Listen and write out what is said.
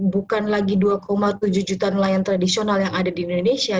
bukan lagi dua tujuh juta nelayan tradisional yang ada di indonesia